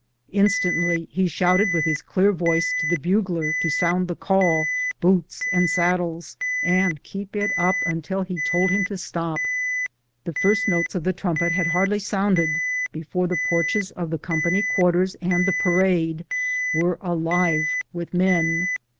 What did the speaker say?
Instantly he shouted with his clear voice to the bugler to sound the call, "Boots and saddles," and keep it up until he told him to stop. The first notes of the trumpet had hardly 160 BOOTS AND SADDLES. sounded before the porches of the company quarters and the parade were alive with men.